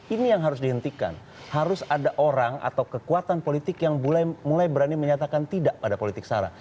ini yang harus dihentikan harus ada orang atau kekuatan politik yang mulai berani menyatakan tidak pada politik sara